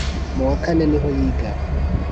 Mu wa kane niho yiga